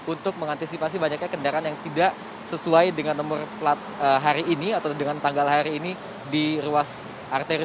untuk mengantisipasi banyaknya kendaraan yang tidak sesuai dengan nomor plat hari ini atau dengan tanggal hari ini di ruas arteri